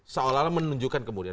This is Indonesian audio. seolah olah menunjukkan kemudian